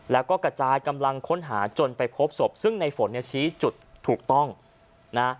แล้วก็กระจายกำลังค้นหาจนไปพบศพซึ่งในฝนเนี่ยชี้จุดถูกต้องนะ